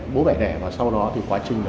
bố bẻ đẻ và sau đó thì quá trình